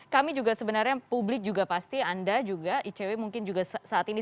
kami juga sebenarnya publik juga pasti anda juga icw mungkin juga saat ini